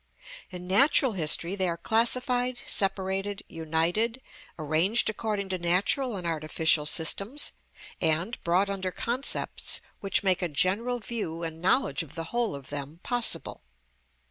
In natural history they are classified, separated, united, arranged according to natural and artificial systems, and brought under concepts which make a general view and knowledge of the whole of them possible.